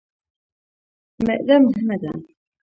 معده مهمه ده.